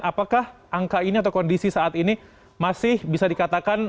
apakah angka ini atau kondisi saat ini masih bisa dikatakan